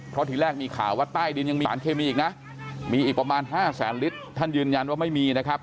เพราะทีแรกมีข่าวว่าใต้ดินยังมีสารเคมีอีกนะมีอีกประมาณ๕แสนลิตรท่านยืนยันว่าไม่มีนะครับ